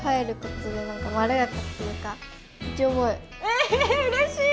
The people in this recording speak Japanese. えうれしい！